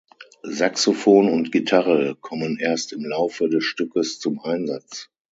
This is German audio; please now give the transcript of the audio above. Saxophon und Gitarre kommen erst im Laufe des Stückes zum Einsatz.